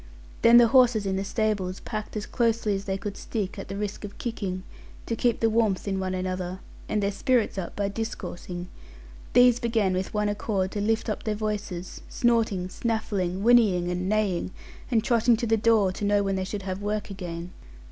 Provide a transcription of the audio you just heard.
Then the horses in the stables, packed as closely as they could stick, at the risk of kicking, to keep the warmth in one another, and their spirits up by discoursing; these began with one accord to lift up their voices, snorting, snaffling, whinnying, and neighing, and trotting to the door to know when they should have work again.